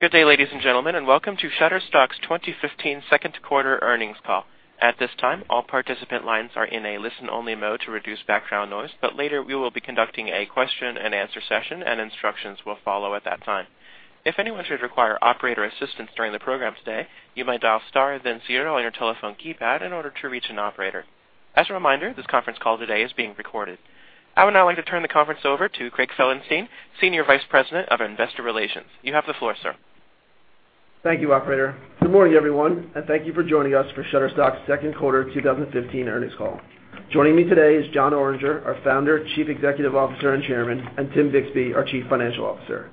Good day, ladies and gentlemen, and welcome to Shutterstock's 2015 second quarter earnings call. At this time, all participant lines are in a listen-only mode to reduce background noise, but later we will be conducting a question and answer session, and instructions will follow at that time. If anyone should require operator assistance during the program today, you may dial star then zero on your telephone keypad in order to reach an operator. As a reminder, this conference call today is being recorded. I would now like to turn the conference over to Craig Felenstein, Senior Vice President of Investor Relations. You have the floor, sir. Thank you, operator. Good morning, everyone, and thank you for joining us for Shutterstock's second quarter 2015 earnings call. Joining me today is Jon Oringer, our Founder, Chief Executive Officer, and Chairman, and Tim Bixby, our Chief Financial Officer.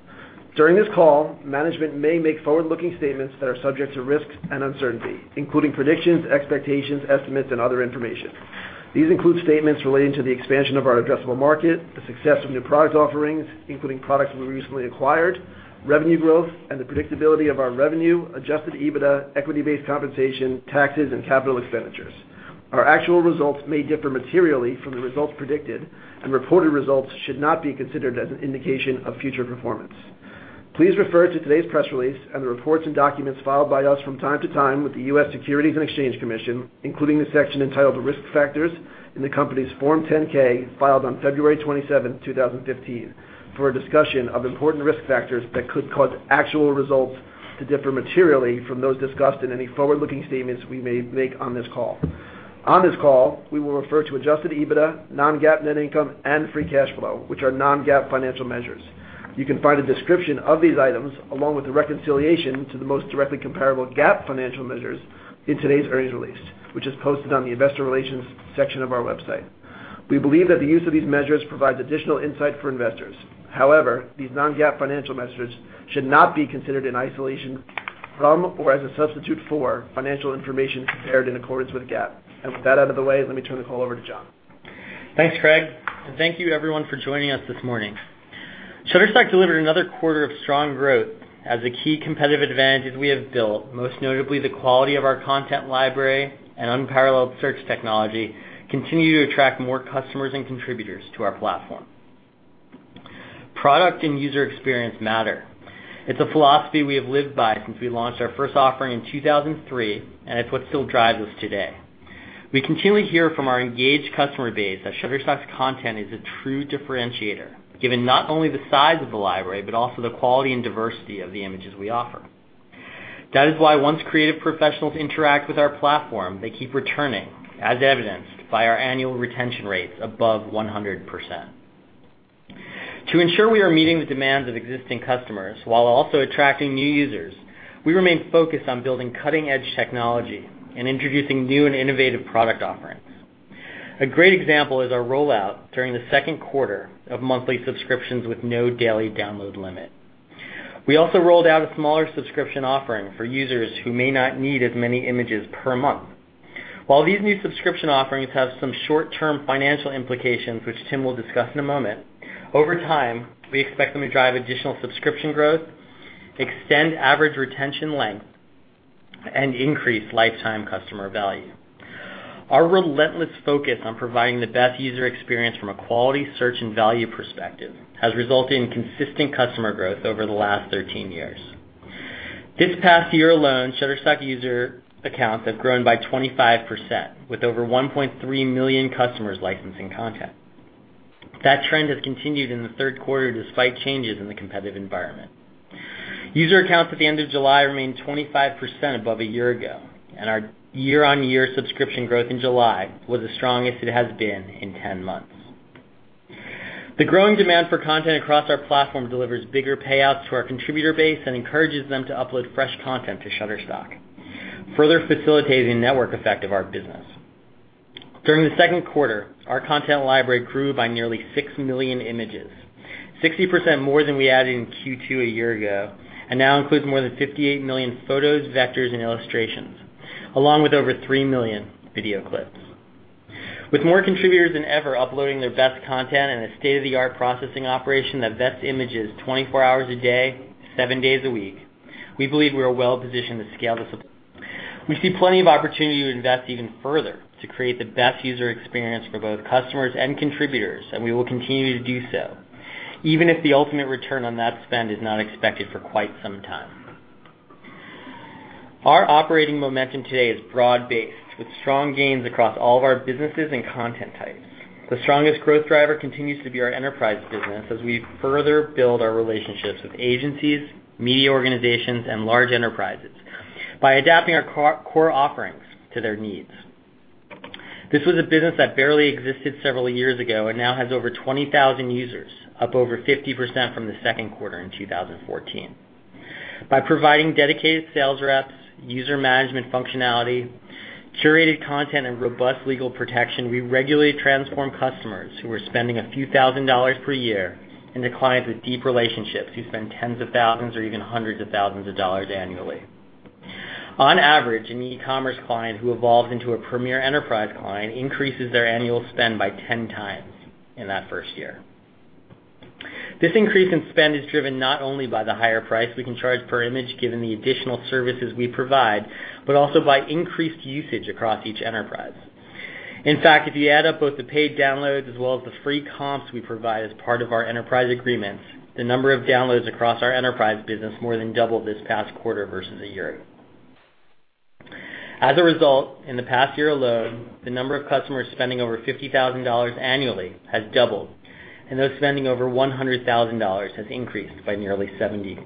During this call, management may make forward-looking statements that are subject to risks and uncertainty, including predictions, expectations, estimates, and other information. These include statements relating to the expansion of our addressable market, the success of new product offerings, including products we recently acquired, revenue growth, and the predictability of our revenue, adjusted EBITDA, equity-based compensation, taxes, and capital expenditures. Our actual results may differ materially from the results predicted, and reported results should not be considered as an indication of future performance. Please refer to today's press release and the reports and documents filed by us from time to time with the U.S. Securities and Exchange Commission, including the section entitled Risk Factors in the company's Form 10-K filed on February 27, 2015, for a discussion of important risk factors that could cause actual results to differ materially from those discussed in any forward-looking statements we may make on this call. On this call, we will refer to adjusted EBITDA, non-GAAP net income, and free cash flow, which are non-GAAP financial measures. You can find a description of these items along with a reconciliation to the most directly comparable GAAP financial measures in today's earnings release, which is posted on the investor relations section of our website. However, these non-GAAP financial measures should not be considered in isolation from or as a substitute for financial information prepared in accordance with GAAP. With that out of the way, let me turn the call over to Jon. Thanks, Craig, and thank you everyone for joining us this morning. Shutterstock delivered another quarter of strong growth as the key competitive advantages we have built, most notably the quality of our content library and unparalleled search technology, continue to attract more customers and contributors to our platform. Product and user experience matter. It's a philosophy we have lived by since we launched our first offering in 2003, and it's what still drives us today. We continually hear from our engaged customer base that Shutterstock's content is a true differentiator, given not only the size of the library but also the quality and diversity of the images we offer. That is why once creative professionals interact with our platform, they keep returning, as evidenced by our annual retention rates above 100%. To ensure we are meeting the demands of existing customers while also attracting new users, we remain focused on building cutting-edge technology and introducing new and innovative product offerings. A great example is our rollout during the second quarter of monthly subscriptions with no daily download limit. We also rolled out a smaller subscription offering for users who may not need as many images per month. While these new subscription offerings have some short-term financial implications, which Tim will discuss in a moment, over time, we expect them to drive additional subscription growth, extend average retention length, and increase lifetime customer value. Our relentless focus on providing the best user experience from a quality, search, and value perspective has resulted in consistent customer growth over the last 13 years. This past year alone, Shutterstock user accounts have grown by 25%, with over 1.3 million customers licensing content. That trend has continued in the third quarter despite changes in the competitive environment. User accounts at the end of July remained 25% above a year ago, and our year-on-year subscription growth in July was the strongest it has been in 10 months. The growing demand for content across our platform delivers bigger payouts to our contributor base and encourages them to upload fresh content to Shutterstock, further facilitating the network effect of our business. During the second quarter, our content library grew by nearly six million images, 60% more than we added in Q2 a year ago, and now includes more than 58 million photos, vectors, and illustrations, along with over three million video clips. With more contributors than ever uploading their best content and a state-of-the-art processing operation that vets images 24 hours a day, seven days a week, we believe we are well-positioned to scale this up. We see plenty of opportunity to invest even further to create the best user experience for both customers and contributors, we will continue to do so, even if the ultimate return on that spend is not expected for quite some time. Our operating momentum today is broad-based, with strong gains across all of our businesses and content types. The strongest growth driver continues to be our enterprise business as we further build our relationships with agencies, media organizations, and large enterprises by adapting our core offerings to their needs. This was a business that barely existed several years ago and now has over 20,000 users, up over 50% from the second quarter in 2014. By providing dedicated sales reps, user management functionality, curated content, and robust legal protection, we regularly transform customers who are spending a few thousand dollars per year into clients with deep relationships who spend tens of thousands or even hundreds of thousands of dollars annually. On average, an e-commerce client who evolves into a premier enterprise client increases their annual spend by ten times in that first year. This increase in spend is driven not only by the higher price we can charge per image given the additional services we provide but also by increased usage across each enterprise. In fact, if you add up both the paid downloads as well as the free comps we provide as part of our enterprise agreements, the number of downloads across our enterprise business more than doubled this past quarter versus a year ago. As a result, in the past year alone, the number of customers spending over $50,000 annually has doubled, and those spending over $100,000 has increased by nearly 70%.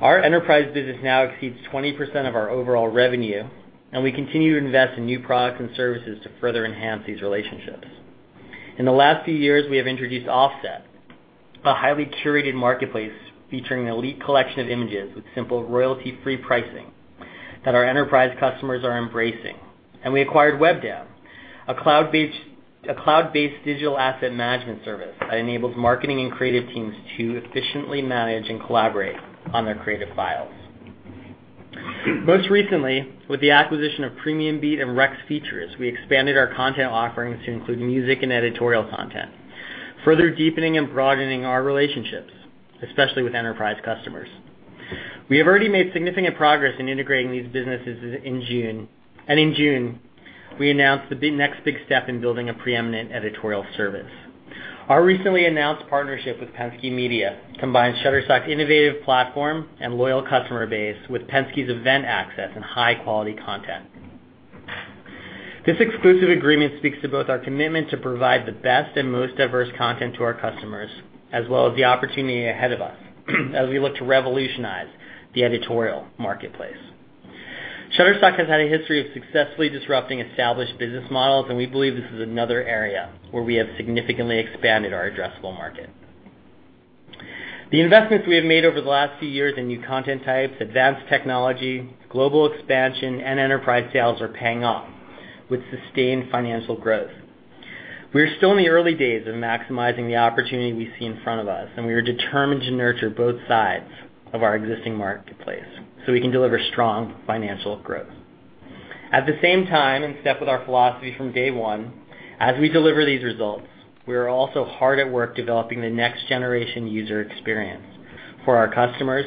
Our enterprise business now exceeds 20% of our overall revenue, and we continue to invest in new products and services to further enhance these relationships. In the last few years, we have introduced Offset, a highly curated marketplace featuring an elite collection of images with simple royalty-free pricing that our enterprise customers are embracing. We acquired WebDAM, a cloud-based digital asset management service that enables marketing and creative teams to efficiently manage and collaborate on their creative files. Most recently, with the acquisition of PremiumBeat and Rex Features, we expanded our content offerings to include music and editorial content, further deepening and broadening our relationships, especially with enterprise customers. We have already made significant progress in integrating these businesses in June. In June, we announced the next big step in building a preeminent editorial service. Our recently announced partnership with Penske Media combines Shutterstock's innovative platform and loyal customer base with Penske's event access and high-quality content. This exclusive agreement speaks to both our commitment to provide the best and most diverse content to our customers, as well as the opportunity ahead of us as we look to revolutionize the editorial marketplace. Shutterstock has had a history of successfully disrupting established business models, and we believe this is another area where we have significantly expanded our addressable market. The investments we have made over the last few years in new content types, advanced technology, global expansion, and enterprise sales are paying off with sustained financial growth. We are still in the early days of maximizing the opportunity we see in front of us. We are determined to nurture both sides of our existing marketplace so we can deliver strong financial growth. At the same time, in step with our philosophy from day one, as we deliver these results, we are also hard at work developing the next generation user experience for our customers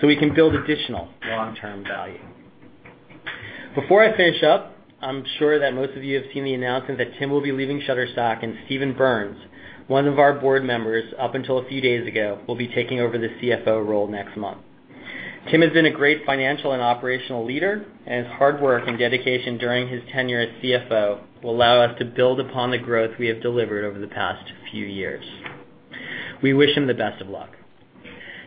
so we can build additional long-term value. Before I finish up, I'm sure that most of you have seen the announcement that Tim will be leaving Shutterstock and Steven Berns, one of our board members up until a few days ago, will be taking over the CFO role next month. Tim has been a great financial and operational leader, and his hard work and dedication during his tenure as CFO will allow us to build upon the growth we have delivered over the past few years. We wish him the best of luck.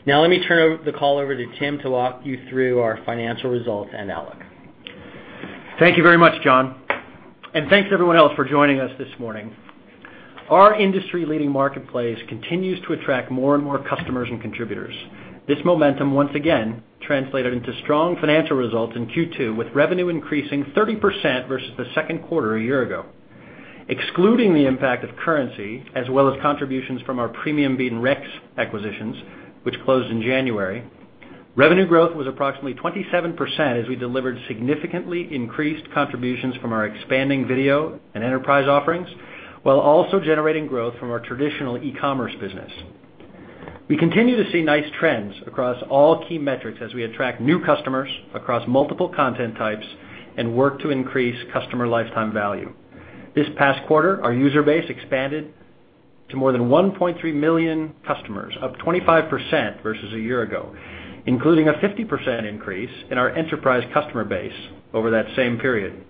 Let me turn the call over to Tim to walk you through our financial results and outlook. Thank you very much, Jon. Thanks to everyone else for joining us this morning. Our industry-leading marketplace continues to attract more and more customers and contributors. This momentum once again translated into strong financial results in Q2, with revenue increasing 30% versus the second quarter a year ago. Excluding the impact of currency as well as contributions from our PremiumBeat and Rex acquisitions, which closed in January, revenue growth was approximately 27% as we delivered significantly increased contributions from our expanding video and enterprise offerings, while also generating growth from our traditional e-commerce business. We continue to see nice trends across all key metrics as we attract new customers across multiple content types and work to increase customer lifetime value. This past quarter, our user base expanded to more than 1.3 million customers, up 25% versus a year ago, including a 50% increase in our enterprise customer base over that same period.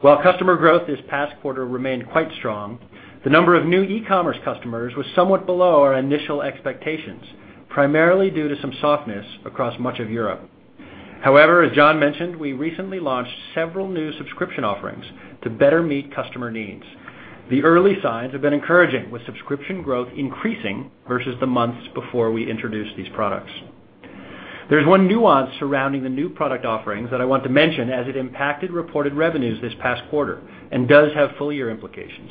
While customer growth this past quarter remained quite strong, the number of new e-commerce customers was somewhat below our initial expectations, primarily due to some softness across much of Europe. However, as Jon mentioned, we recently launched several new subscription offerings to better meet customer needs. The early signs have been encouraging, with subscription growth increasing versus the months before we introduced these products. There's one nuance surrounding the new product offerings that I want to mention as it impacted reported revenues this past quarter and does have full year implications.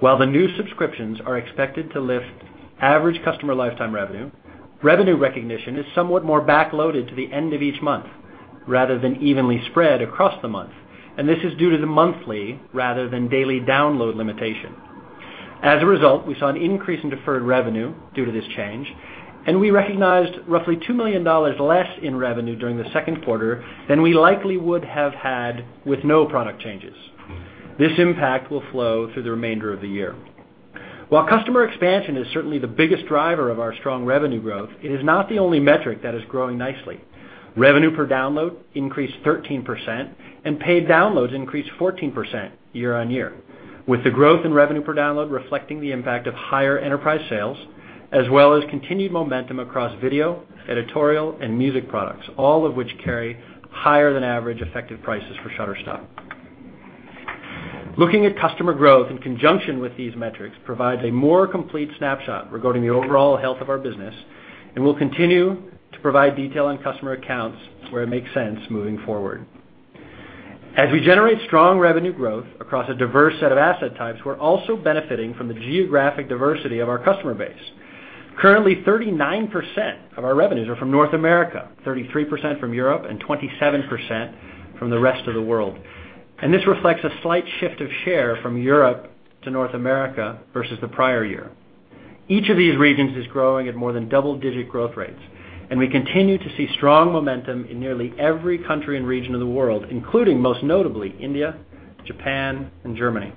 While the new subscriptions are expected to lift average customer lifetime revenue recognition is somewhat more backloaded to the end of each month rather than evenly spread across the month, this is due to the monthly rather than daily download limitation. As a result, we saw an increase in deferred revenue due to this change, and we recognized roughly $2 million less in revenue during the second quarter than we likely would have had with no product changes. This impact will flow through the remainder of the year. While customer expansion is certainly the biggest driver of our strong revenue growth, it is not the only metric that is growing nicely. Revenue per download increased 13%, and paid downloads increased 14% year-on-year, with the growth in revenue per download reflecting the impact of higher enterprise sales, as well as continued momentum across video, editorial, and music products, all of which carry higher than average effective prices for Shutterstock. Looking at customer growth in conjunction with these metrics provides a more complete snapshot regarding the overall health of our business and will continue to provide detail on customer accounts where it makes sense moving forward. As we generate strong revenue growth across a diverse set of asset types, we're also benefiting from the geographic diversity of our customer base. Currently, 39% of our revenues are from North America, 33% from Europe, and 27% from the rest of the world. This reflects a slight shift of share from Europe to North America versus the prior year. Each of these regions is growing at more than double-digit growth rates. We continue to see strong momentum in nearly every country and region of the world, including, most notably, India, Japan, and Germany.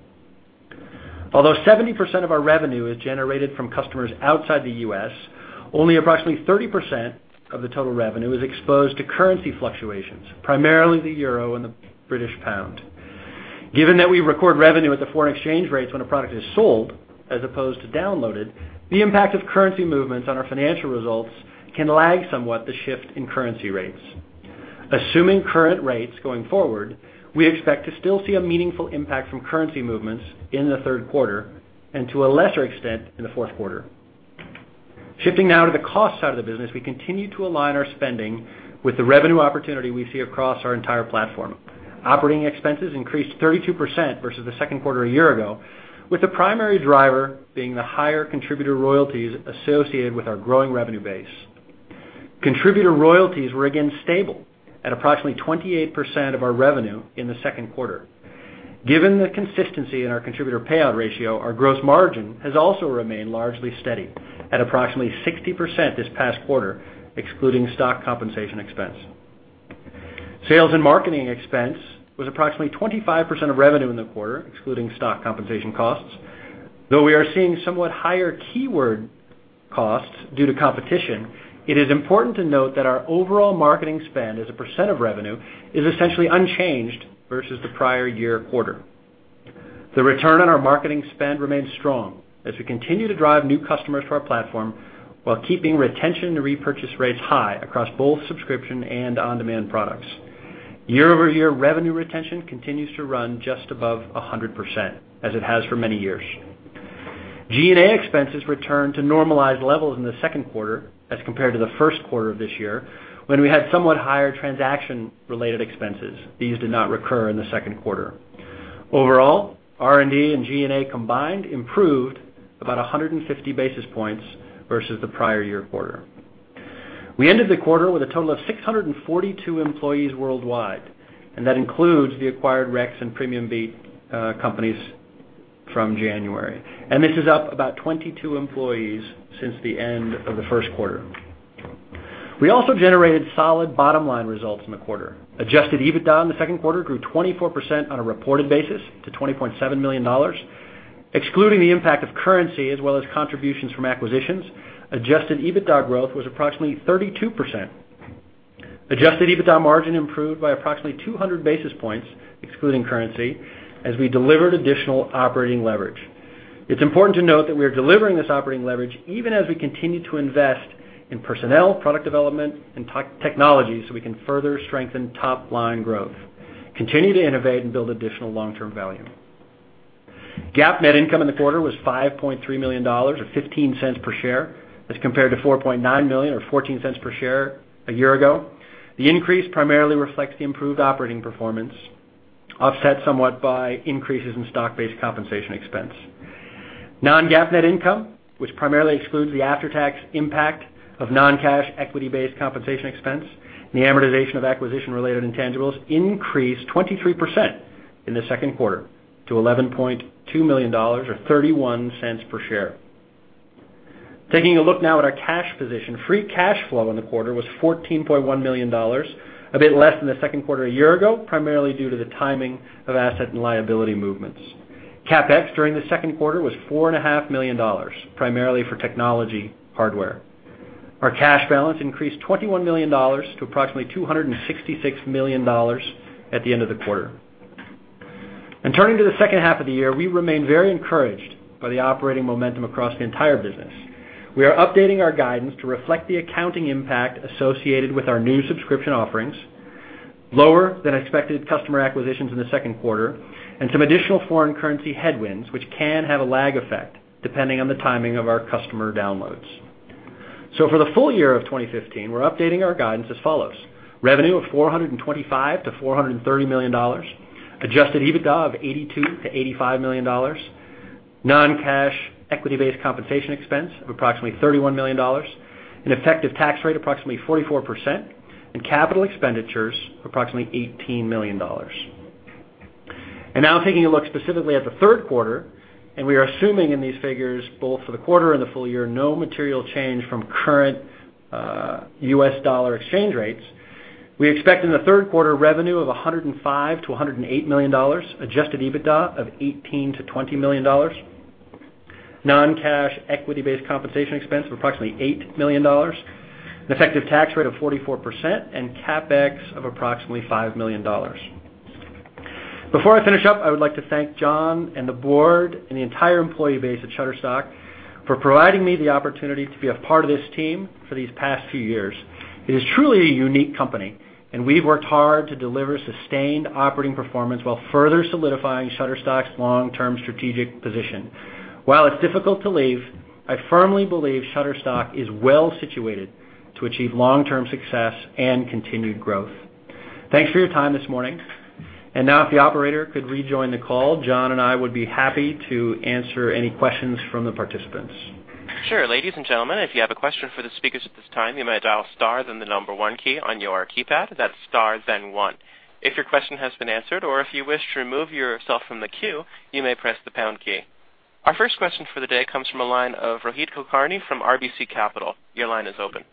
Although 70% of our revenue is generated from customers outside the U.S., only approximately 30% of the total revenue is exposed to currency fluctuations, primarily the euro and the British pound. Given that we record revenue at the foreign exchange rates when a product is sold as opposed to downloaded, the impact of currency movements on our financial results can lag somewhat the shift in currency rates. Assuming current rates going forward, we expect to still see a meaningful impact from currency movements in the third quarter and to a lesser extent, in the fourth quarter. Shifting now to the cost side of the business, we continue to align our spending with the revenue opportunity we see across our entire platform. Operating expenses increased 32% versus the second quarter a year ago, with the primary driver being the higher contributor royalties associated with our growing revenue base. Contributor royalties were again stable at approximately 28% of our revenue in the second quarter. Given the consistency in our contributor payout ratio, our gross margin has also remained largely steady at approximately 60% this past quarter, excluding stock compensation expense. Sales and marketing expense was approximately 25% of revenue in the quarter, excluding stock compensation costs. Though we are seeing somewhat higher keyword costs due to competition, it is important to note that our overall marketing spend as a % of revenue is essentially unchanged versus the prior year quarter. The return on our marketing spend remains strong as we continue to drive new customers to our platform while keeping retention and repurchase rates high across both subscription and on-demand products. Year-over-year revenue retention continues to run just above 100%, as it has for many years. G&A expenses returned to normalized levels in the second quarter as compared to the first quarter of this year, when we had somewhat higher transaction-related expenses. These did not recur in the second quarter. Overall, R&D and G&A combined improved about 150 basis points versus the prior year quarter. We ended the quarter with a total of 642 employees worldwide. That includes the acquired Rex and PremiumBeat companies from January. This is up about 22 employees since the end of the first quarter. We also generated solid bottom-line results in the quarter. Adjusted EBITDA in the second quarter grew 24% on a reported basis to $20.7 million. Excluding the impact of currency as well as contributions from acquisitions, adjusted EBITDA growth was approximately 32%. Adjusted EBITDA margin improved by approximately 200 basis points excluding currency, as we delivered additional operating leverage. It's important to note that we are delivering this operating leverage even as we continue to invest in personnel, product development, and technology so we can further strengthen top-line growth, continue to innovate and build additional long-term value. GAAP net income in the quarter was $5.3 million, or $0.15 per share as compared to $4.9 million or $0.14 per share a year ago. The increase primarily reflects the improved operating performance, offset somewhat by increases in stock-based compensation expense. Non-GAAP net income, which primarily excludes the after-tax impact of non-cash equity-based compensation expense and the amortization of acquisition-related intangibles, increased 23% in the second quarter to $11.2 million or $0.31 per share. Taking a look now at our cash position, free cash flow in the quarter was $14.1 million, a bit less than the second quarter a year ago, primarily due to the timing of asset and liability movements. CapEx during the second quarter was $4.5 million, primarily for technology hardware. Our cash balance increased $21 million to approximately $266 million at the end of the quarter. Turning to the second half of the year, we remain very encouraged by the operating momentum across the entire business. We are updating our guidance to reflect the accounting impact associated with our new subscription offerings, lower than expected customer acquisitions in the second quarter, and some additional foreign currency headwinds, which can have a lag effect depending on the timing of our customer downloads. For the full year of 2015, we're updating our guidance as follows: revenue of $425 million-$430 million, adjusted EBITDA of $82 million-$85 million, non-cash equity-based compensation expense of approximately $31 million, an effective tax rate approximately 44%, and capital expenditures of approximately $18 million. Now taking a look specifically at the third quarter, we are assuming in these figures, both for the quarter and the full year, no material change from current U.S. dollar exchange rates. We expect in the third quarter revenue of $105 million-$108 million, adjusted EBITDA of $18 million-$20 million, non-cash equity-based compensation expense of approximately $8 million, an effective tax rate of 44%, and CapEx of approximately $5 million. Before I finish up, I would like to thank Jon and the board and the entire employee base at Shutterstock for providing me the opportunity to be a part of this team for these past few years. It is truly a unique company, and we've worked hard to deliver sustained operating performance while further solidifying Shutterstock's long-term strategic position. While it's difficult to leave, I firmly believe Shutterstock is well-situated to achieve long-term success and continued growth. Thanks for your time this morning. Now if the operator could rejoin the call, Jon and I would be happy to answer any questions from the participants. Sure. Ladies and gentlemen, if you have a question for the speakers at this time, you may dial star then the number one key on your keypad. That's star then one. If your question has been answered or if you wish to remove yourself from the queue, you may press the pound key. Our first question for the day comes from the line of Rohit Kulkarni from RBC Capital. Your line is open.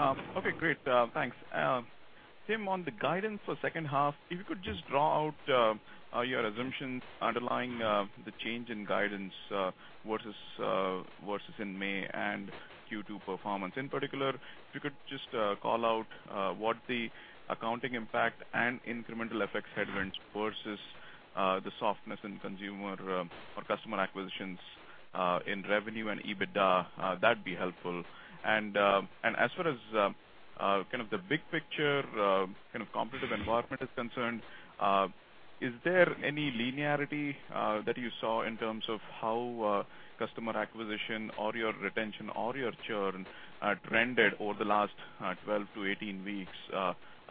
Okay, great. Thanks. Tim, on the guidance for second half, if you could just draw out your assumptions underlying the change in guidance versus in May and Q2 performance. In particular, if you could just call out what the accounting impact and incremental FX headwinds versus the softness in consumer or customer acquisitions in revenue and EBITDA, that'd be helpful. As far as kind of the big picture, kind of competitive environment is concerned, is there any linearity that you saw in terms of how customer acquisition or your retention or your churn trended over the last 12-18 weeks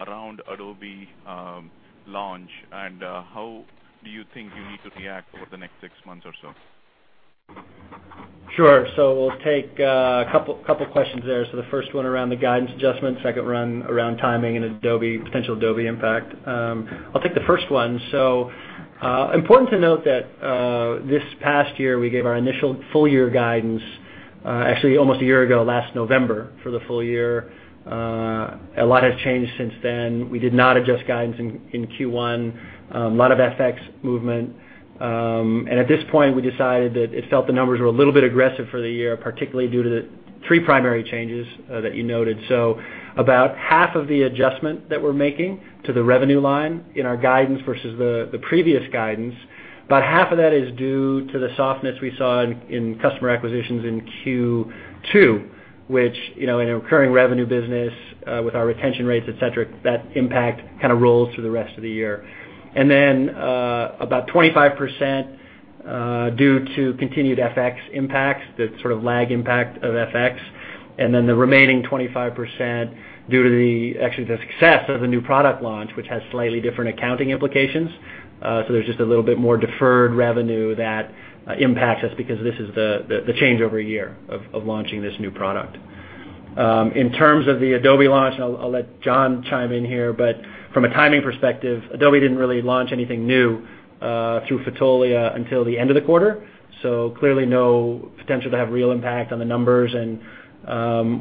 around Adobe launch? How do you think you need to react over the next six months or so? Sure. We'll take a couple questions there. The first one around the guidance adjustment, second around timing and potential Adobe impact. I'll take the first one. Important to note that this past year, we gave our initial full year guidance, actually almost one year ago, last November, for the full year. A lot has changed since then. We did not adjust guidance in Q1. A lot of FX movement. At this point, we decided that it felt the numbers were a little bit aggressive for the year, particularly due to the three primary changes that you noted. About half of the adjustment that we're making to the revenue line in our guidance versus the previous guidance, about half of that is due to the softness we saw in customer acquisitions in Q2, which, in a recurring revenue business, with our retention rates, et cetera, that impact kind of rolls through the rest of the year. Then, about 25% due to continued FX impacts, the sort of lag impact of FX, and then the remaining 25% due to actually the success of the new product launch, which has slightly different accounting implications. There's just a little bit more deferred revenue that impacts us because this is the changeover year of launching this new product. In terms of the Adobe launch, I'll let Jon chime in here, but from a timing perspective, Adobe didn't really launch anything new through Fotolia until the end of the quarter. Clearly no potential to have real impact on the numbers and,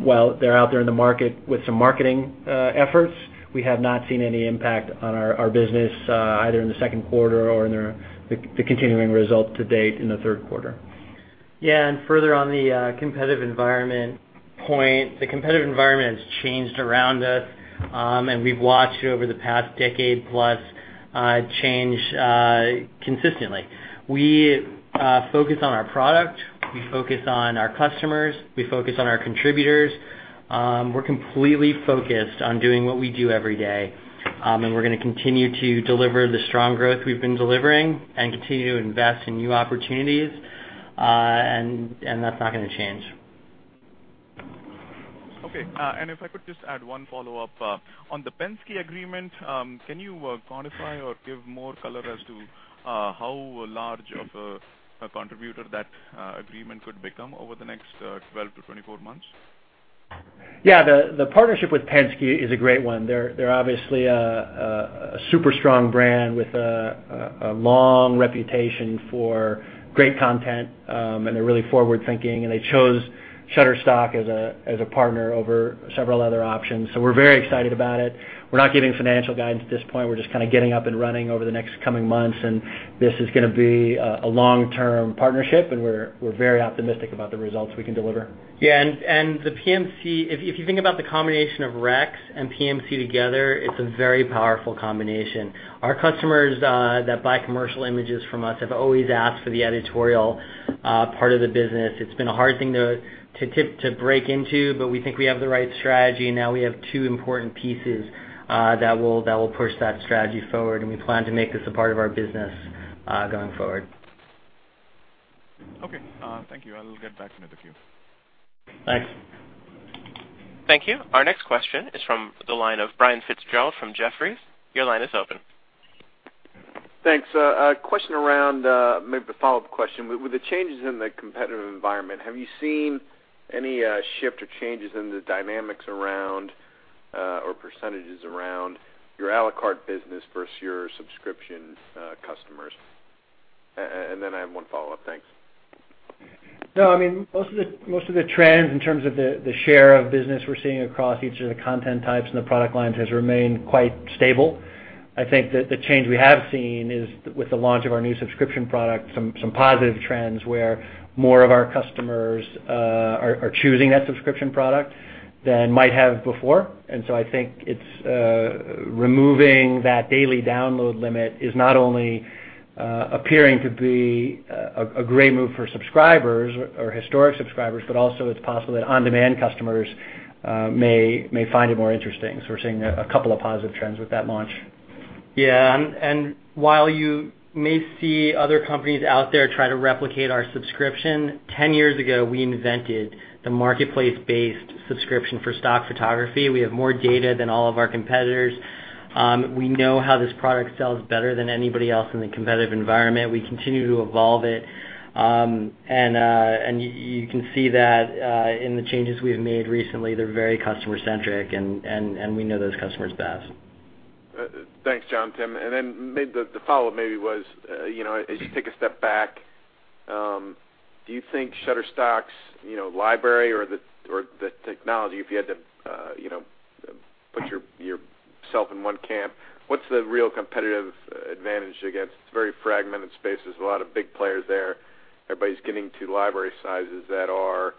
while they're out there in the market with some marketing efforts, we have not seen any impact on our business, either in the second quarter or the continuing results to date in the third quarter. Yeah, further on the competitive environment point, the competitive environment has changed around us, we've watched it over the past decade-plus change consistently. We focus on our product. We focus on our customers. We focus on our contributors. We're completely focused on doing what we do every day, we're going to continue to deliver the strong growth we've been delivering and continue to invest in new opportunities. That's not going to change. Okay. If I could just add one follow-up. On the Penske agreement, can you quantify or give more color as to how large of a contributor that agreement could become over the next 12 to 24 months? Yeah, the partnership with Penske is a great one. They're obviously a super strong brand with a long reputation for great content, they're really forward-thinking, they chose Shutterstock as a partner over several other options. We're very excited about it. We're just kind of getting up and running over the next coming months, this is going to be a long-term partnership, we're very optimistic about the results we can deliver. Yeah, the PMC, if you think about the combination of Rex and PMC together, it's a very powerful combination. Our customers that buy commercial images from us have always asked for the editorial part of the business. It's been a hard thing to break into, but we think we have the right strategy, and now we have two important pieces that will push that strategy forward, and we plan to make this a part of our business going forward. Okay. Thank you. I'll get back in the queue. Thanks. Thank you. Our next question is from the line of Brian Fitzgerald from Jefferies. Your line is open. Thanks. A question around, maybe a follow-up question. With the changes in the competitive environment, have you seen any shift or changes in the dynamics around or percentages around your à la carte business versus your subscription customers? I have one follow-up. Thanks. No, I mean, most of the trends in terms of the share of business we're seeing across each of the content types and the product lines has remained quite stable. I think that the change we have seen is with the launch of our new subscription product, some positive trends where more of our customers are choosing that subscription product than might have before. I think it's removing that daily download limit is not only appearing to be a great move for subscribers or historic subscribers, but also it's possible that on-demand customers may find it more interesting. We're seeing a couple of positive trends with that launch. Yeah, while you may see other companies out there try to replicate our subscription, 10 years ago, we invented the marketplace-based subscription for stock photography. We have more data than all of our competitors. We know how this product sells better than anybody else in the competitive environment. We continue to evolve it. You can see that in the changes we've made recently. They're very customer centric, and we know those customers best. Thanks, Jon, Tim. The follow-up maybe was, as you take a step back, do you think Shutterstock's library or the technology, if you had to put yourself in one camp, what's the real competitive advantage against? It's a very fragmented space. There's a lot of big players there. Everybody's getting to library sizes that are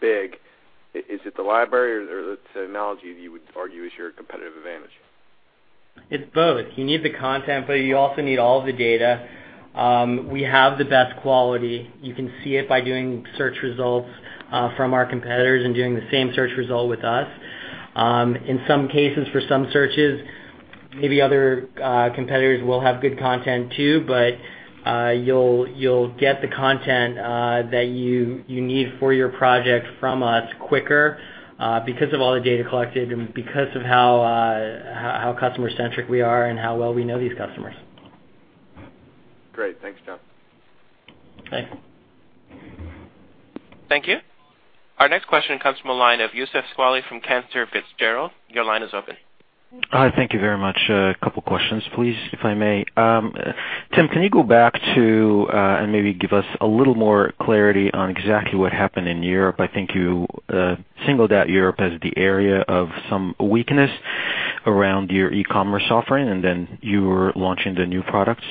big. Is it the library or the technology that you would argue is your competitive advantage? It's both. You need the content, you also need all of the data. We have the best quality. You can see it by doing search results from our competitors and doing the same search result with us. In some cases, for some searches, maybe other competitors will have good content too, you'll get the content that you need for your project from us quicker because of all the data collected and because of how customer-centric we are and how well we know these customers. Great. Thanks, Jon. Thanks. Thank you. Our next question comes from the line of Youssef Squali from Cantor Fitzgerald. Your line is open. Thank you very much. A couple questions, please, if I may. Tim, can you go back to, and maybe give us a little more clarity on exactly what happened in Europe. I think you singled out Europe as the area of some weakness around your e-commerce offering, and then you were launching the new products.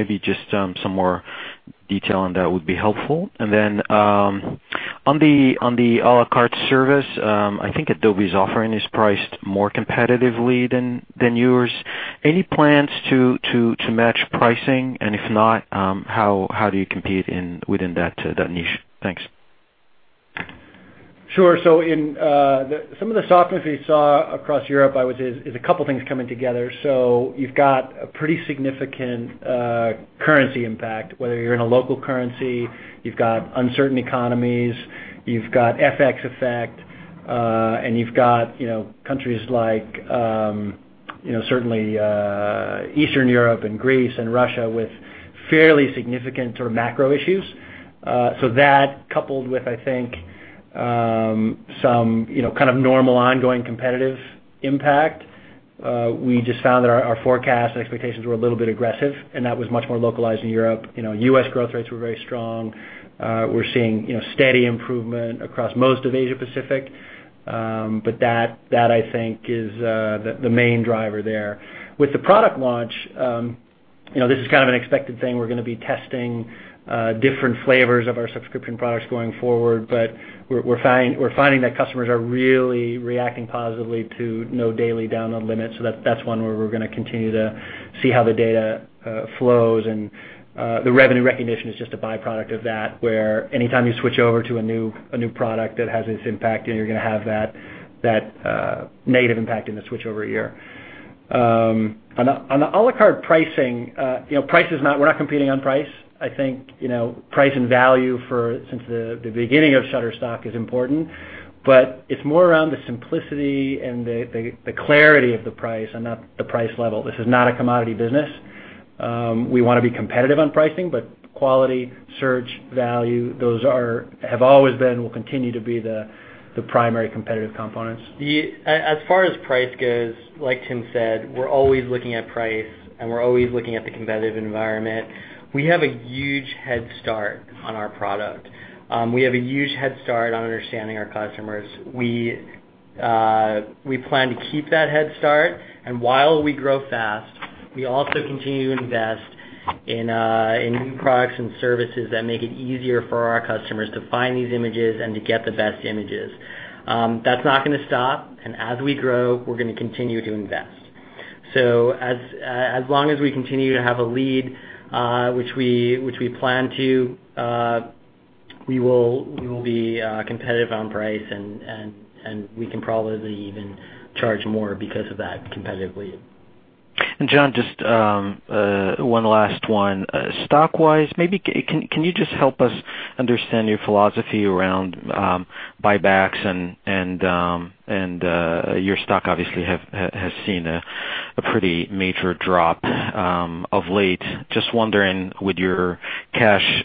Maybe just some more detail on that would be helpful. On the a la carte service, I think Adobe's offering is priced more competitively than yours. Any plans to match pricing? And if not, how do you compete within that niche? Thanks. Sure. Some of the softness we saw across Europe, I would say, is a couple of things coming together. You've got a pretty significant currency impact, whether you're in a local currency, you've got uncertain economies, you've got FX effect, and you've got countries like certainly Eastern Europe and Greece and Russia with fairly significant macro issues. That coupled with, I think, some kind of normal ongoing competitive impact, we just found that our forecast and expectations were a little bit aggressive, and that was much more localized in Europe. U.S. growth rates were very strong. We're seeing steady improvement across most of Asia Pacific. That I think is the main driver there. With the product launch, this is kind of an expected thing. We're going to be testing different flavors of our subscription products going forward, but we're finding that customers are really reacting positively to no daily download limits. That's one where we're going to continue to see how the data flows, and the revenue recognition is just a byproduct of that, where anytime you switch over to a new product that has this impact, you're going to have that negative impact in the switchover year. On the a la carte pricing, we're not competing on price. I think, price and value since the beginning of Shutterstock is important, but it's more around the simplicity and the clarity of the price and not the price level. This is not a commodity business. We want to be competitive on pricing, but quality, search, value, those have always been, will continue to be the primary competitive components. As far as price goes, like Tim said, we're always looking at price, and we're always looking at the competitive environment. We have a huge head start on our product. We have a huge head start on understanding our customers. We plan to keep that head start, and while we grow fast, we also continue to invest in new products and services that make it easier for our customers to find these images and to get the best images. That's not going to stop, and as we grow, we're going to continue to invest. As long as we continue to have a lead, which we plan to, we will be competitive on price, and we can probably even charge more because of that competitive lead. Jon, just one last one. Stock-wise, maybe can you just help us understand your philosophy around buybacks, and your stock obviously has seen a pretty major drop of late. Just wondering with your cash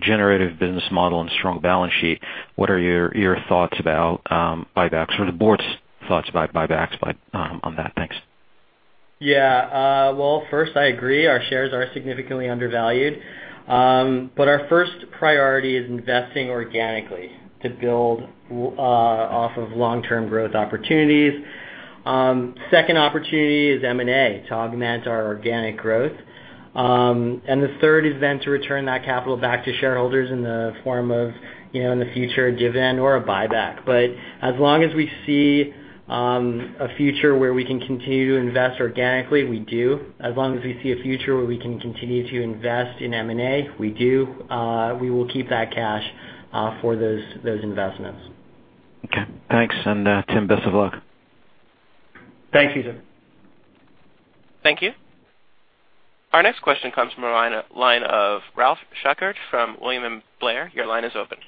generative business model and strong balance sheet, what are your thoughts about buybacks or the board's thoughts about buybacks on that? Thanks. Yeah. First, I agree, our shares are significantly undervalued. Our first priority is investing organically to build off of long-term growth opportunities. Second opportunity is M&A to augment our organic growth. The third is then to return that capital back to shareholders in the form of, in the future, a dividend or a buyback. As long as we see a future where we can continue to invest organically, we do. As long as we see a future where we can continue to invest in M&A, we do. We will keep that cash for those investments. Okay. Thanks, and Tim, best of luck. Thanks, Youssef. Thank you. Our next question comes from the line of Ralph Schackart from William Blair. Your line is open.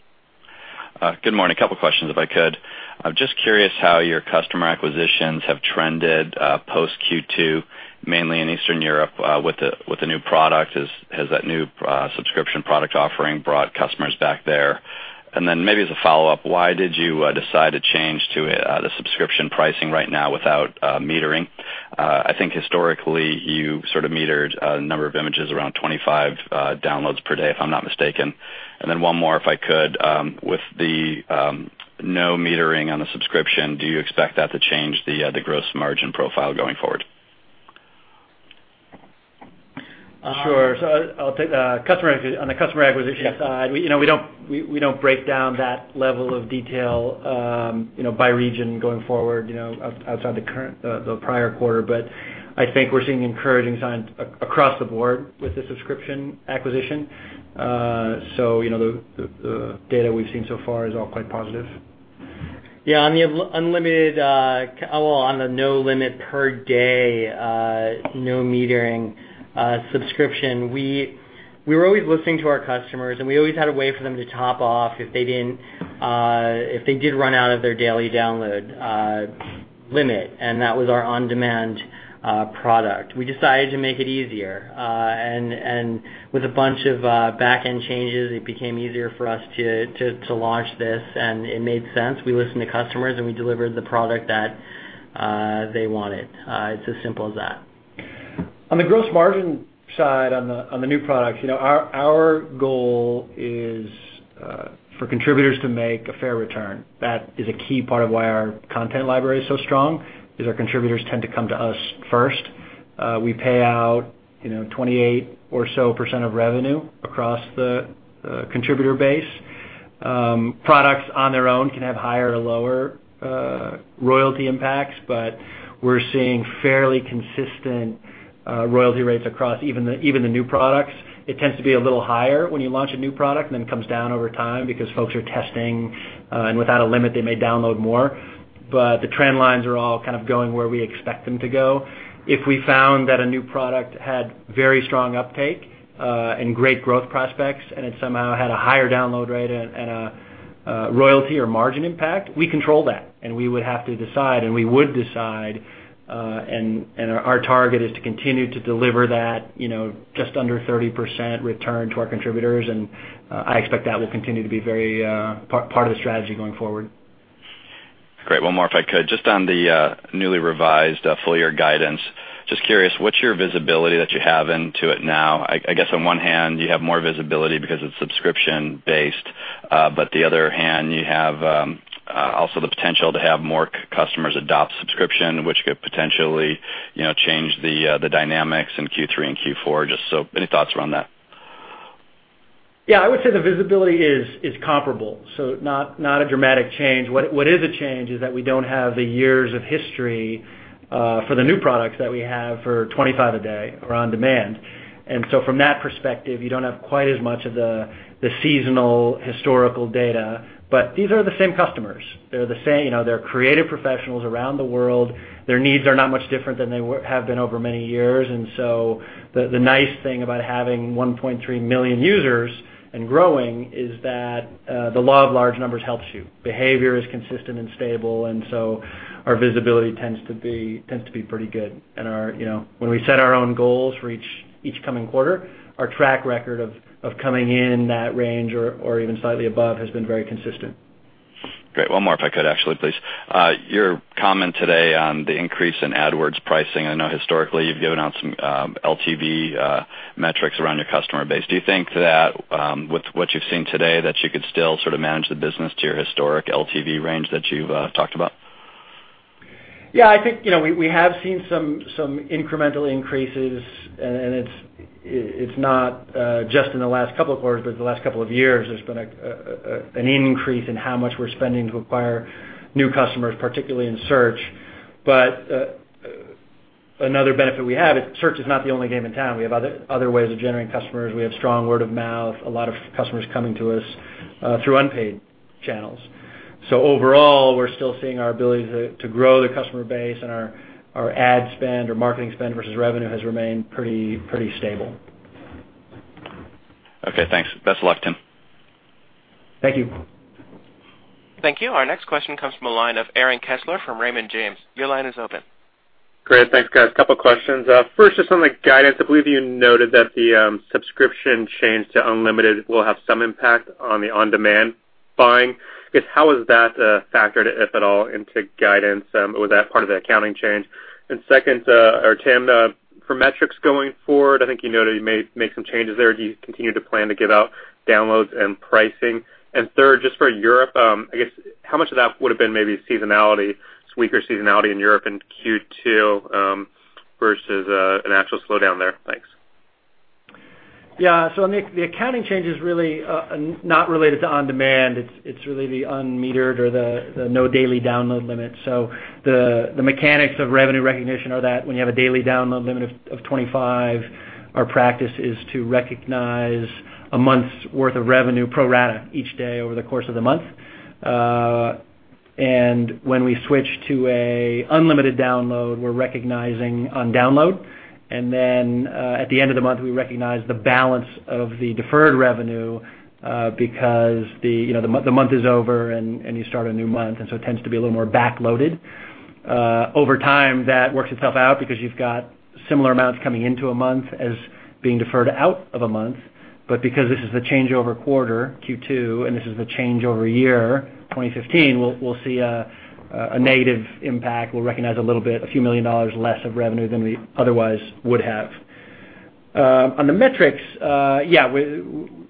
Good morning. A couple questions if I could. I'm just curious how your customer acquisitions have trended post Q2, mainly in Eastern Europe, with the new product. Has that new subscription product offering brought customers back there? Maybe as a follow-up, why did you decide to change to the subscription pricing right now without metering? I think historically, you sort of metered a number of images, around 25 downloads per day, if I'm not mistaken. One more, if I could. With the no metering on the subscription, do you expect that to change the gross margin profile going forward? I'll take on the customer acquisition side. Yeah. We don't break down that level of detail by region going forward outside the prior quarter. I think we're seeing encouraging signs across the board with the subscription acquisition. The data we've seen so far is all quite positive. Yeah, on the no limit per day, no metering subscription, we're always listening to our customers, and we always had a way for them to top off if they did run out of their daily download limit, and that was our on-demand product. We decided to make it easier. With a bunch of back-end changes, it became easier for us to launch this, and it made sense. We listened to customers, and we delivered the product that they wanted. It's as simple as that. On the gross margin side, on the new products, our goal is for contributors to make a fair return. That is a key part of why our content library is so strong, is our contributors tend to come to us first. We pay out 28% or so of revenue across the contributor base. Products on their own can have higher or lower royalty impacts, but we're seeing fairly consistent royalty rates across even the new products. It tends to be a little higher when you launch a new product and then comes down over time because folks are testing, and without a limit, they may download more. The trend lines are all kind of going where we expect them to go. If we found that a new product had very strong uptake and great growth prospects, and it somehow had a higher download rate and a royalty or margin impact, we control that, and we would have to decide, and we would decide. Our target is to continue to deliver that just under 30% return to our contributors, and I expect that will continue to be part of the strategy going forward. Great. One more if I could. Just on the newly revised full-year guidance. Just curious, what's your visibility that you have into it now? I guess on one hand you have more visibility because it's subscription based. The other hand, you have also the potential to have more customers adopt subscription, which could potentially change the dynamics in Q3 and Q4. Just any thoughts around that? I would say the visibility is comparable, so not a dramatic change. What is a change is that we don't have the years of history for the new products that we have for 25 a day or on-demand. From that perspective, you don't have quite as much of the seasonal historical data. These are the same customers. They're creative professionals around the world. Their needs are not much different than they have been over many years. The nice thing about having 1.3 million users and growing is that the law of large numbers helps you. Behavior is consistent and stable, our visibility tends to be pretty good. When we set our own goals for each coming quarter, our track record of coming in that range or even slightly above has been very consistent. Great. One more, if I could, actually, please. Your comment today on the increase in AdWords pricing, I know historically you've given out some LTV metrics around your customer base. Do you think that with what you've seen today, that you could still sort of manage the business to your historic LTV range that you've talked about? I think we have seen some incremental increases and it's not just in the last couple of quarters, but the last couple of years, there's been an increase in how much we're spending to acquire new customers, particularly in Search. Another benefit we have is Search is not the only game in town. We have other ways of generating customers. We have strong word of mouth, a lot of customers coming to us through unpaid channels. Overall, we're still seeing our ability to grow the customer base and our ad spend or marketing spend versus revenue has remained pretty stable. Okay, thanks. Best of luck, Tim. Thank you. Thank you. Our next question comes from the line of Aaron Kessler from Raymond James. Your line is open. Great. Thanks, guys. A couple questions. First, just on the guidance, I believe you noted that the subscription change to unlimited will have some impact on the on-demand buying. I guess how is that factored, if at all, into guidance? Was that part of the accounting change? Second, Tim, for metrics going forward, I think you noted you may make some changes there. Do you continue to plan to give out downloads and pricing? Third, just for Europe, I guess how much of that would've been maybe seasonality, weaker seasonality in Europe in Q2 versus an actual slowdown there? Thanks. Yeah. The accounting change is really not related to on-demand. It's really the unmetered or the no daily download limit. The mechanics of revenue recognition are that when you have a daily download limit of 25, our practice is to recognize a month's worth of revenue pro rata each day over the course of the month. When we switch to an unlimited download, we're recognizing on download, then at the end of the month we recognize the balance of the deferred revenue because the month is over and you start a new month, it tends to be a little more back-loaded. Over time, that works itself out because you've got similar amounts coming into a month as being deferred out of a month. Because this is the changeover quarter, Q2, and this is the changeover year, 2015, we'll see a negative impact. We'll recognize a little bit, a few million dollars less of revenue than we otherwise would have. On the metrics,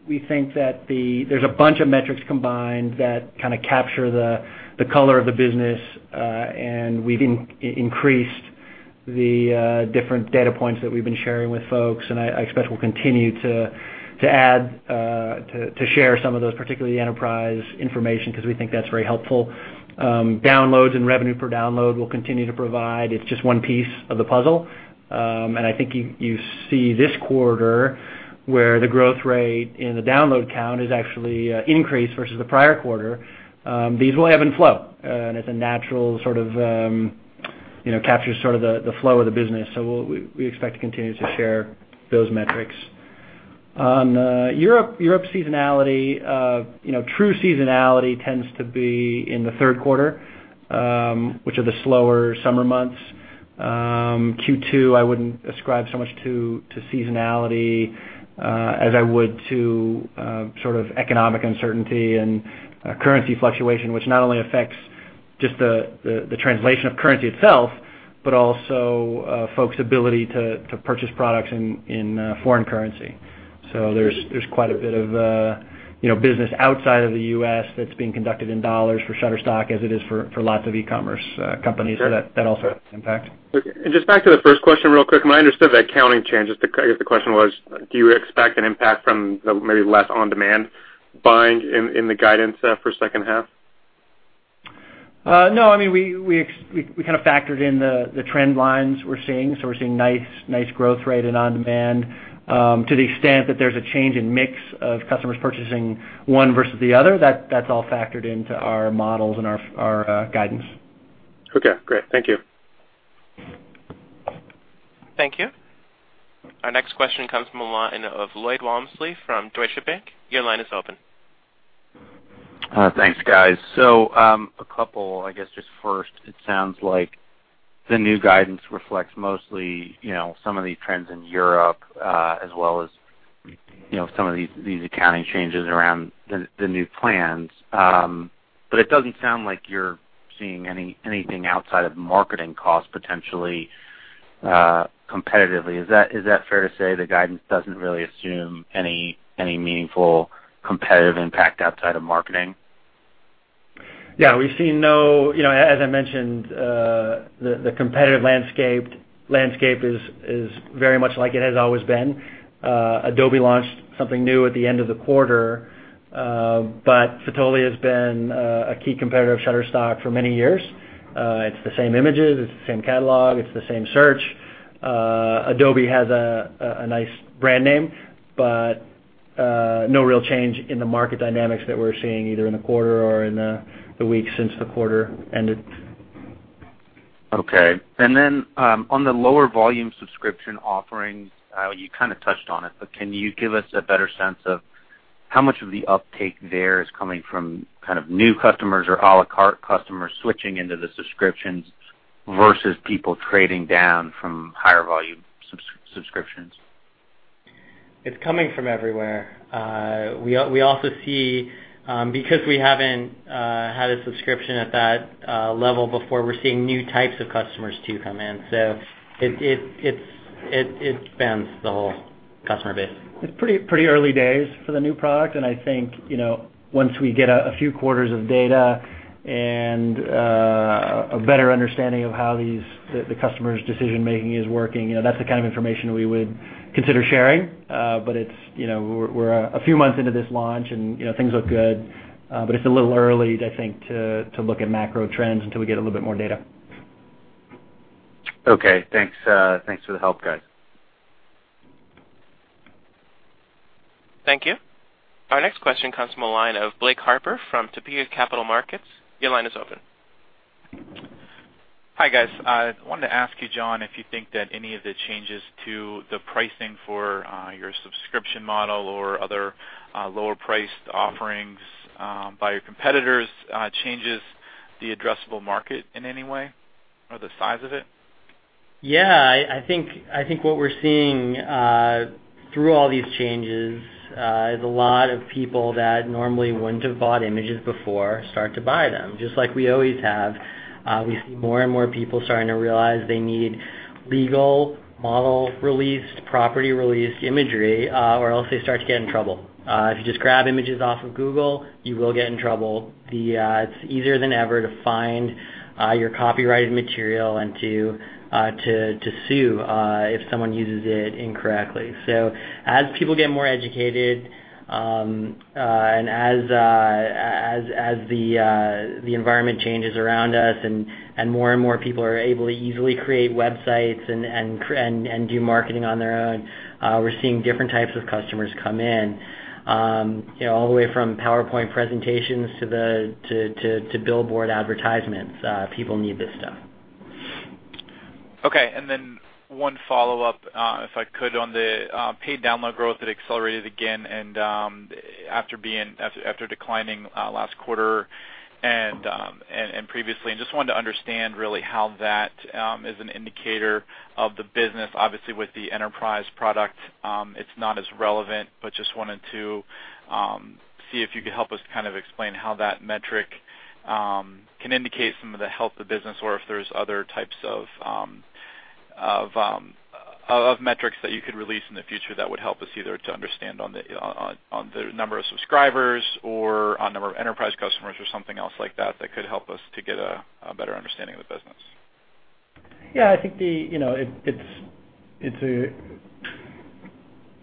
we think that there's a bunch of metrics combined that kind of capture the color of the business, and we've increased the different data points that we've been sharing with folks. I expect we'll continue to share some of those, particularly enterprise information, because we think that's very helpful. Downloads and revenue per download we'll continue to provide. It's just one piece of the puzzle. I think you see this quarter where the growth rate in the download count is actually increased versus the prior quarter. These ebb and flow, and it's a natural sort of captures the flow of the business. We expect to continue to share those metrics. On Europe seasonality, true seasonality tends to be in the third quarter, which are the slower summer months. Q2, I wouldn't ascribe so much to seasonality, as I would to economic uncertainty and currency fluctuation, which not only affects just the translation of currency itself, but also folks' ability to purchase products in foreign currency. There's quite a bit of business outside of the U.S. that's being conducted in dollars for Shutterstock as it is for lots of e-commerce companies. That also has impact. Okay. Just back to the first question real quick, I understood that accounting change. I guess the question was, do you expect an impact from the maybe less on-demand buying in the guidance set for second half? No. We kind of factored in the trend lines we're seeing. We're seeing nice growth rate in on-demand. To the extent that there's a change in mix of customers purchasing one versus the other, that's all factored into our models and our guidance. Okay, great. Thank you. Thank you. Our next question comes from the line of Lloyd Walmsley from Deutsche Bank. Your line is open. Thanks, guys. A couple, just first, it sounds like the new guidance reflects mostly some of these trends in Europe, as well as some of these accounting changes around the new plans. It doesn't sound like you're seeing anything outside of marketing costs potentially competitively. Is that fair to say? The guidance doesn't really assume any meaningful competitive impact outside of marketing? Yeah. As I mentioned, the competitive landscape is very much like it has always been. Adobe launched something new at the end of the quarter. Fotolia has been a key competitor of Shutterstock for many years. It's the same images, it's the same catalog, it's the same search. Adobe has a nice brand name, no real change in the market dynamics that we're seeing, either in the quarter or in the weeks since the quarter ended. Okay. On the lower volume subscription offerings, you kind of touched on it, can you give us a better sense of how much of the uptake there is coming from kind of new customers or à la carte customers switching into the subscriptions versus people trading down from higher volume subscriptions? It's coming from everywhere. We also see, because we haven't had a subscription at that level before, we're seeing new types of customers too come in. It spans the whole customer base. It's pretty early days for the new product, and I think once we get a few quarters of data and a better understanding of how the customer's decision-making is working, that's the kind of information we would consider sharing. We're a few months into this launch, and things look good. It's a little early, I think, to look at macro trends until we get a little bit more data. Okay, thanks. Thanks for the help, guys. Thank you. Our next question comes from the line of Blake Harper from Topeka Capital Markets. Your line is open. Hi, guys. I wanted to ask you, Jon, if you think that any of the changes to the pricing for your subscription model or other lower priced offerings by your competitors changes the addressable market in any way or the size of it? Yeah. I think what we're seeing through all these changes is a lot of people that normally wouldn't have bought images before start to buy them, just like we always have. We see more and more people starting to realize they need legal model released, property released imagery, or else they start to get in trouble. If you just grab images off of Google, you will get in trouble. It's easier than ever to find your copyrighted material and to sue if someone uses it incorrectly. As people get more educated, and as the environment changes around us and more and more people are able to easily create websites and do marketing on their own, we're seeing different types of customers come in all the way from PowerPoint presentations to billboard advertisements. People need this stuff. Okay. One follow-up, if I could, on the paid download growth that accelerated again after declining last quarter and previously. Just wanted to understand really how that is an indicator of the business. Obviously, with the enterprise product, it's not as relevant, but just wanted to see if you could help us kind of explain how that metric can indicate some of the health of business or if there's other types of metrics that you could release in the future that would help us either to understand on the number of subscribers or on number of enterprise customers or something else like that could help us to get a better understanding of the business. Yeah, I think it's a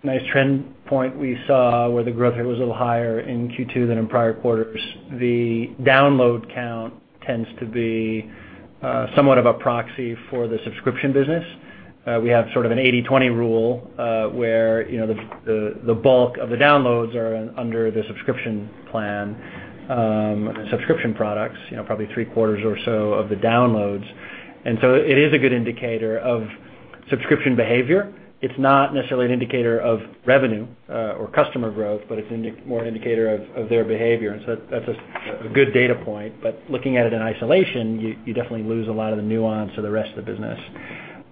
nice trend point we saw where the growth rate was a little higher in Q2 than in prior quarters. The download count tends to be somewhat of a proxy for the subscription business. We have sort of an 80/20 rule, where the bulk of the downloads are under the subscription plan, subscription products, probably three quarters or so of the downloads. It is a good indicator of subscription behavior. It's not necessarily an indicator of revenue, or customer growth, but it's more an indicator of their behavior. That's a good data point. Looking at it in isolation, you definitely lose a lot of the nuance of the rest of the business.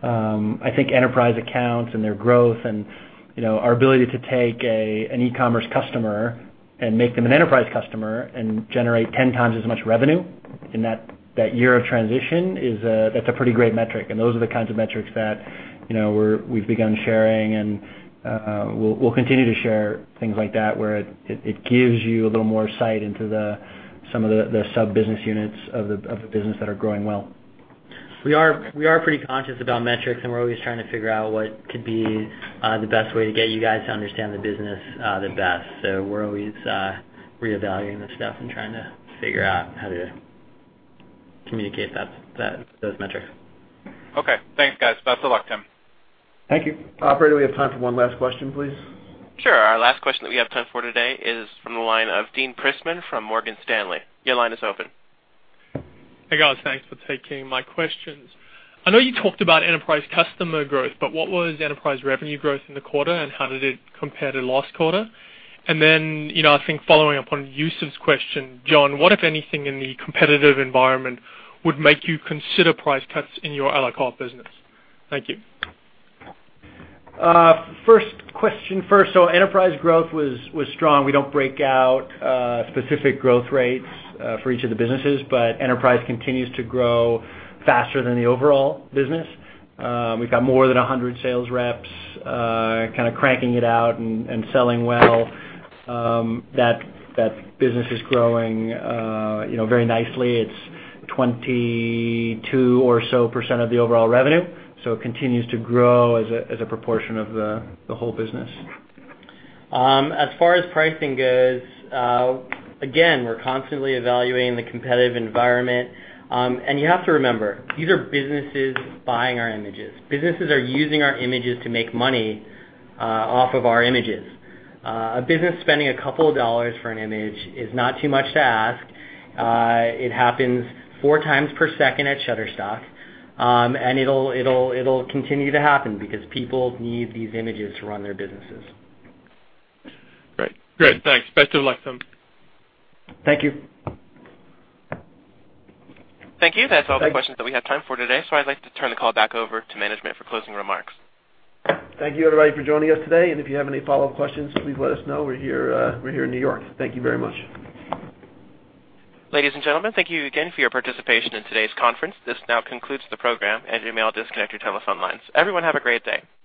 I think enterprise accounts and their growth and our ability to take an e-commerce customer and make them an enterprise customer and generate 10 times as much revenue in that year of transition, that's a pretty great metric. Those are the kinds of metrics that we've begun sharing and we'll continue to share things like that where it gives you a little more insight into some of the sub-business units of the business that are growing well. We are pretty conscious about metrics, and we're always trying to figure out what could be the best way to get you guys to understand the business the best. We're always reevaluating the stuff and trying to figure out how to communicate those metrics. Okay, thanks, guys. Best of luck, Tim. Thank you. Operator, we have time for one last question, please. Sure. Our last question that we have time for today is from the line of Dean Prissman from Morgan Stanley. Your line is open. Hey, guys. Thanks for taking my questions. I know you talked about enterprise customer growth, what was enterprise revenue growth in the quarter, and how did it compare to last quarter? I think following up on Youssef's question, Jon, what, if anything, in the competitive environment would make you consider price cuts in your a la carte business? Thank you. First question first. Enterprise growth was strong. We don't break out specific growth rates for each of the businesses, but enterprise continues to grow faster than the overall business. We've got more than 100 sales reps kind of cranking it out and selling well. That business is growing very nicely. It's 22% or so of the overall revenue, so it continues to grow as a proportion of the whole business. As far as pricing goes, again, we're constantly evaluating the competitive environment. You have to remember, these are businesses buying our images. Businesses are using our images to make money off of our images. A business spending a couple of dollars for an image is not too much to ask. It happens four times per second at Shutterstock. It'll continue to happen because people need these images to run their businesses. Great. Thanks. Best of luck to Tim. Thank you. Thank you. That's all the questions that we have time for today. I'd like to turn the call back over to management for closing remarks. Thank you everybody for joining us today. If you have any follow-up questions, please let us know. We're here in New York. Thank you very much. Ladies and gentlemen, thank you again for your participation in today's conference. This now concludes the program, and you may all disconnect your telephone lines. Everyone, have a great day.